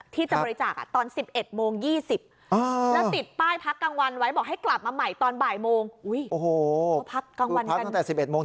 ที่จะบริจาคตอน๑๑โมง๒๐